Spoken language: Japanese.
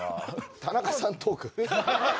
田中さんトーク？